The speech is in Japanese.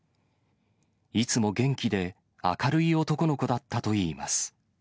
いつも元気で、明るい男の子だったといいます。